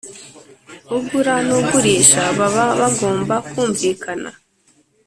ugura nugurisha baba bagomba kumvikana